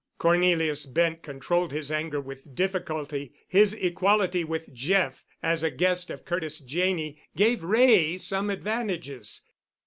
Cornelius Bent controlled his anger with difficulty. His equality with Jeff, as a guest of Curtis Janney, gave Wray some advantages.